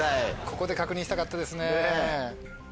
ここで確認したかったですね。